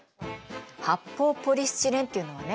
発泡ポリスチレンっていうのはね